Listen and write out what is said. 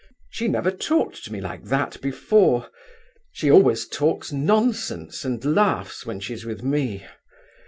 She never talked to me like that before. She always talks nonsense and laughs when she's with me.